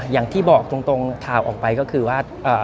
อย่างที่บอกตรงข่าวออกไปก็คือว่า